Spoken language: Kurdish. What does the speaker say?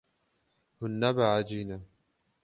Hûn nebehecî ne.